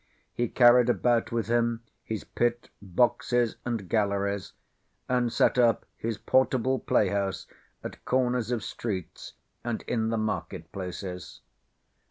He carried about with him his pit, boxes, and galleries, and set up his portable playhouse at corners of streets, and in the market places.